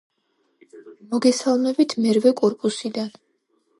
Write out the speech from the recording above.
მოგესალმებით მერვე კორპუსიდან.